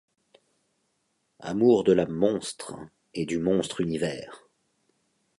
Amours de l’âme monstre et du monstre univers!